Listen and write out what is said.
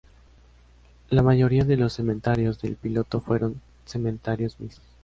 La mayoría de los comentarios del piloto fueron comentarios mixtos.